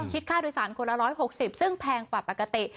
คิดค่าโดยสารคนละร้อยหกสิบซึ่งแพงกว่าปกติ